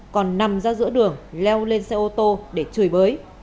còn nằm ra giữa đường leo lên xe ô tô để chửi bới